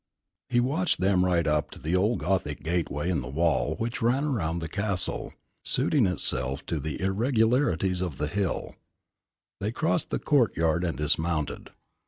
He watched them ride up to the old Gothic gateway in the wall which ran round the castle, suiting itself to the irregularities of the hill. They crossed the courtyard and dismounted.